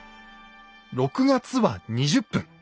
６月は２０分。